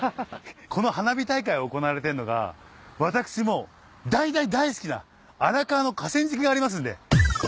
この花火大会行われてんのが私も大大大好きな荒川の河川敷がありますんで。